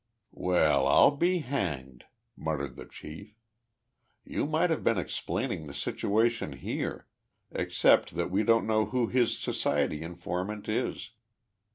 "Well, I'll be hanged," muttered the chief. "You might have been explaining the situation here except that we don't know who his society informant is.